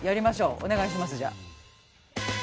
お願いします。